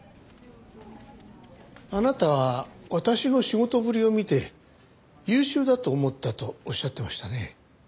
あなたは私の仕事ぶりを見て優秀だと思ったとおっしゃってましたね。